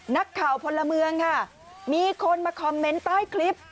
นักข่าวพลเมืองค่ะมีคนมาคอมเมนต์ใต้คลิป